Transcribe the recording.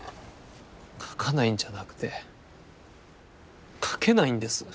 書かないんじゃなくて書けないんです。